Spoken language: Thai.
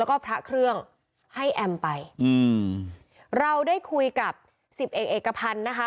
แล้วก็พระเครื่องให้แอมไปอืมเราได้คุยกับสิบเอกเอกพันธ์นะคะ